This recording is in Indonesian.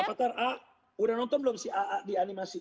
rafathar a udah nonton belum si aa di animasi